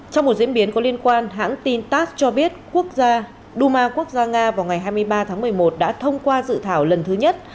trong một diễn biến có liên quan hãng tin tass cho biết quốc gia duma quốc gia nga vào ngày hai mươi ba tháng một mươi một đã thông qua dự thảo lần thứ nhất